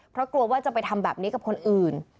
เพราะกลัวว่าจะไปทำแบบนี้กับคนอื่น